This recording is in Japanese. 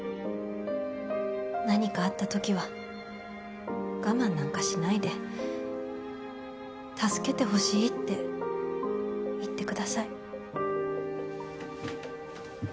何かあった時は我慢なんかしないで「助けてほしい」って言ってください。